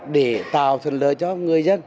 để tạo thuận lợi cho người dân